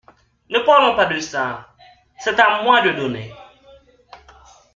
Ne parlons pas de ça… c’est à moi de donner…